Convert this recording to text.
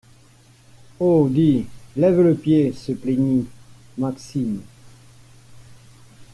Oh, dis, lève le pied, se plaignit Maxime